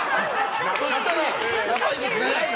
そしたらやばいですね。